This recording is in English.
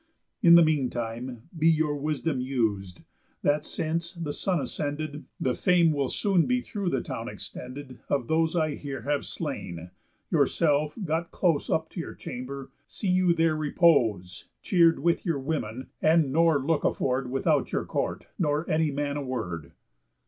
In the mean time, be Your wisdom us'd, that since, the sun ascended, The fame will soon be through the town extended Of those I here have slain, yourself, got close Up to your chamber, see you there repose, Cheer'd with your women, and nor look afford Without your court, nor any man a word."